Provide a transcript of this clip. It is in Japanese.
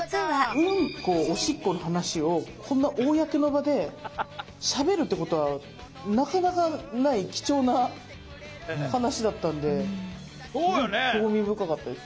ウンコ・オシッコの話をこんな公の場でしゃべるってことはなかなかない貴重な話だったんですごい興味深かったです。